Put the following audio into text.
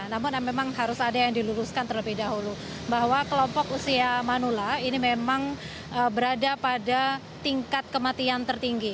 namun memang harus ada yang diluluskan terlebih dahulu bahwa kelompok usia manula ini memang berada pada tingkat kematian tertinggi